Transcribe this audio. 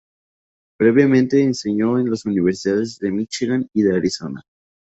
Previamente enseñó en la Universidades de Míchigan y de Arizona.